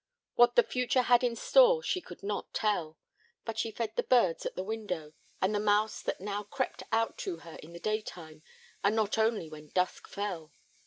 What the future had in store she could not tell, but she fed the birds at the window, and the mouse that now crept out to her in the daytime and not only when dusk fell.